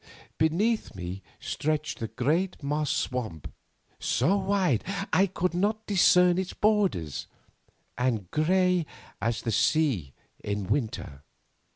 Beneath me stretched the great moss swamp, so wide that I could not discern its borders, and grey as the sea in winter.